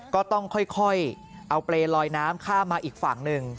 ก็ต้องค่อยเอาเปรย์ลอยน้ำข้ามมาอีกฝั่งหนึ่ง